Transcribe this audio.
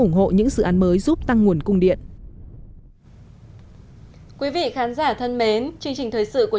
ủng hộ những dự án mới giúp tăng nguồn cung điện quý vị khán giả thân mến chương trình thời sự của